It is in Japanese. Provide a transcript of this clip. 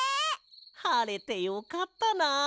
はれてよかったな。